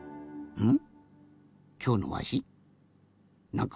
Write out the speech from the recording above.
うん。